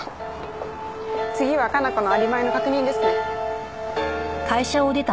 次は香奈子のアリバイの確認ですね。